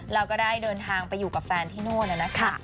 เราก็ได้เดินทางไปอยู่กับแฟนที่โน่นแล้วนะคะ